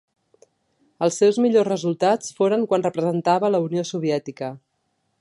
Els seus millors resultats foren quan representava la Unió Soviètica.